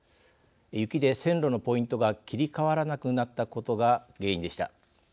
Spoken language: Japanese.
雪で線路のポイントが切り替わらなくなったことが原因でした。